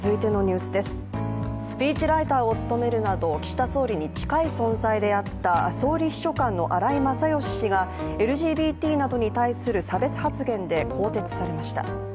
スピーチライターを務めるなど、岸田総理に近い存在であった総理秘書官の荒井勝喜氏がＬＧＢＴなどに対する差別発言で更迭されました。